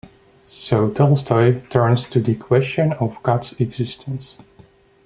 So Tolstoy turns to the question of God's existence.